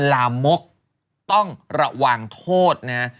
ลามกต้องระวังโทษนะฮะ